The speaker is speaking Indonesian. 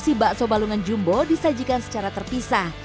dan bakso balungan juga bisa disajikan secara terpisah